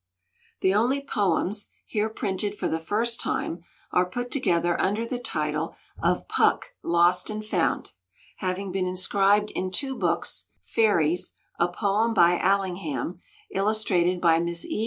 The only poems, here printed for the first time, are put together under the title of "Puck Lost and Found," having been inscribed in two books Fairies, a poem by Allingham, illustrated by Miss E.